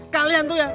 kalian tuh ya